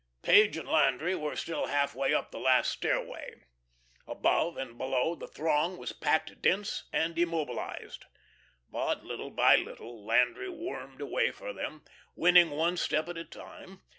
Page and Landry were still halfway up the last stairway. Above and below, the throng was packed dense and immobilised. But, little by little, Landry wormed a way for them, winning one step at a time.